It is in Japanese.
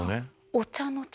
お茶の茶？